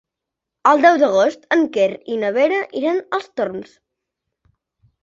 El deu d'agost en Quer i na Vera iran als Torms.